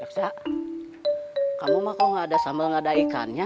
daksa kamu mah kok gak ada sambal gak ada ikan ya